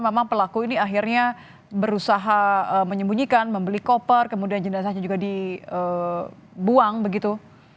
memang pelaku ini akhirnya berusaha menyembunyikan membeli koper kemudian jenazahnya juga dibuang begitu